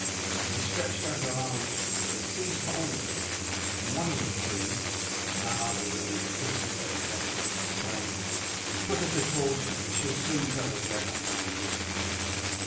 She stretched out her arms to him, but they seized hold of her, and one of the three—none other than the accursed Benedetto exclaimed: "'Put her to torture and she'll soon tell us where her money is.